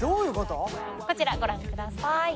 こちらご覧ください。